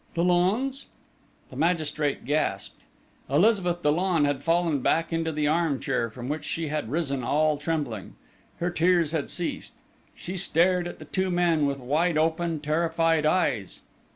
"Dollon's?" The magistrate gasped. Elizabeth Dollon had fallen back into the arm chair, from which she had risen all trembling. Her tears had ceased. She stared at the two men with wide open, terrified eyes.